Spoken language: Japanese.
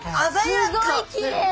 すごいきれい！